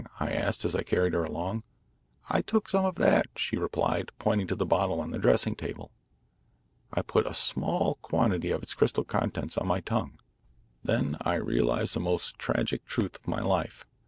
I asked as I carried her along. 'I took some of that,' she replied, pointing to the bottle on the dressing table. "I put a small quantity of its crystal contents on my tongue. Then I realised the most tragic truth of my life.